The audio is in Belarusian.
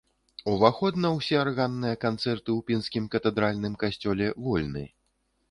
Уваход на ўсе арганныя канцэрты ў пінскім катэдральным касцёле вольны.